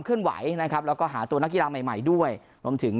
เคลื่อนไหวนะครับแล้วก็หาตัวนักกีฬาใหม่ด้วยรวมถึง